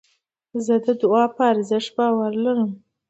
زه د دؤعا په ارزښت باور لرم.